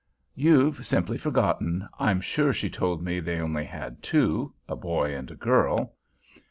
"You've simply forgotten. I'm sure she told me they had only two—a boy and a girl."